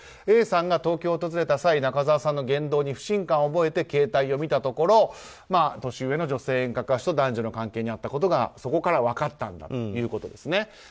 Ａさんが東京を訪れた際中澤さんの言動に不信感を覚えて携帯を見たところ年上の演歌歌手と男女の関係にあったことがそこから分かったということです。